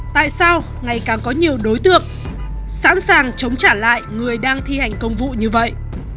tại sao ngày càng có nhiều đối tượng sẵn sàng chống trả lại người đang thi hành công vụ như vậy